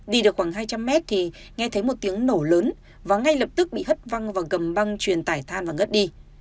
đi được khoảng hai trăm linh mét thì nghe thấy một tiếng nổ lớn và ngay lập tức bị hất văng và gầm băng truyền tải than và ngất đi